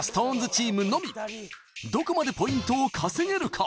チームのみどこまでポイントを稼げるか？